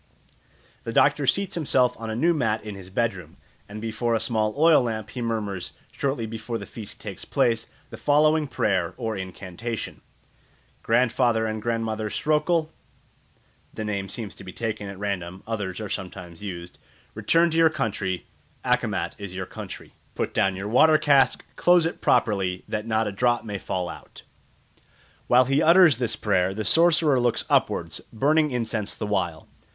The doctor seats himself on a new mat in his bedroom, and before a small oil lamp he murmurs, shortly before the feast takes place, the following prayer or incantation: "Grandfather and Grandmother Sroekoel" (the name seems to be taken at random; others are sometimes used), "return to your country. Akkemat is your country. Put down your water cask, close it properly, that not a drop may fall out." While he utters this prayer the sorcerer looks upwards, burning incense the while.